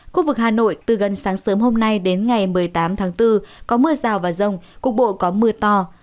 khu vực hà nội từ gần sáng sớm hôm nay đến ngày một mươi tám tháng bốn có mưa rào và rông cục bộ có mưa to